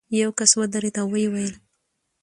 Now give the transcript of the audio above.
یو کس ودرېد او ویې ویل.